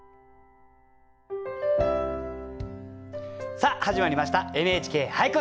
さあ始まりました「ＮＨＫ俳句」。